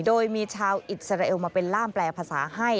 โดยมีชาวอิสราเอลมาเป็นล่ามแปลภาษาให้